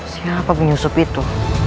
siapa menyusup itu